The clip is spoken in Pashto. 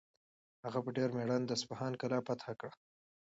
هغه په ډېر مېړانه د اصفهان کلا فتح کړه.